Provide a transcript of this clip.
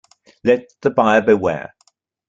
Let the buyer beware.